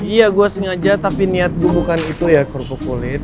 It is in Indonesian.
iya gue sengaja tapi niat gue bukan itu ya kurkuk kulit